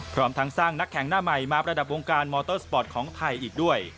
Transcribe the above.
พร้อมทั้งสร้างนักแข่งหน้าใหม่มาประดับวงการมอเตอร์สปอร์ตของไทยอีกด้วย